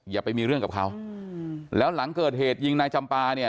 อย่าไปมีเรื่องกับเขาแล้วหลังเกิดเหตุยิงนายจำปาเนี่ย